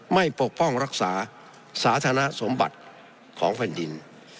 ปกป้องรักษาสาธารณสมบัติของแผ่นดิน